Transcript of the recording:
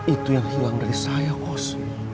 itu yang hilang dari saya kos